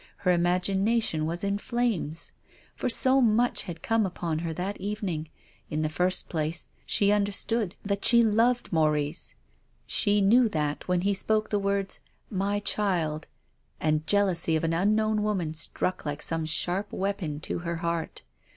Her imagination was in flames. For so much iiad come upon her that evening. In the first place she understood that she loved Maurice. She 212 TONGUES OF CONSCIENCE. knew that, when he spoke the words, " My child," and jealousy of an unknown woman struck like some sharp weapon to her heart.